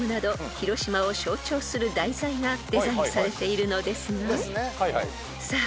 広島を象徴する題材がデザインされているのですがさあ